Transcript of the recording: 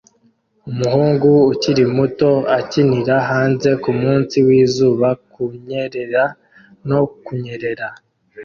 Umuhungu ukiri muto akinira hanze kumunsi wizuba ku kunyerera no kunyerera